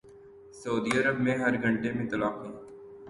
سعودی عرب میں ہر گھنٹے میں طلاقیں